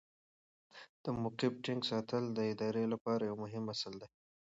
د موقف ټینګ ساتل د ادارې لپاره یو مهم اصل دی.